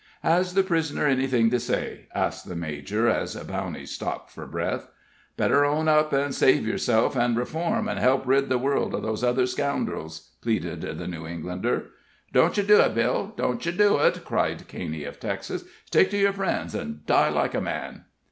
"Has the prisoner anything to say?" asked the major, as Bowney stopped for breath. "Better own up, and save yourself and reform, and help rid the world of those other scoundrels," pleaded the New Englander. "Don't yer do it, Bill don't yer do it!" cried Caney, of Texas. "Stick to yer friends, an' die like a man!"